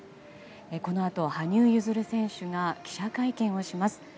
このあと羽生結弦選手が記者会見をします。